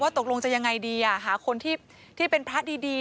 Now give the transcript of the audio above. ตกลงจะยังไงดีหาคนที่เป็นพระดี